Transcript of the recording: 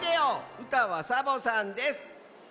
うたはサボさんです。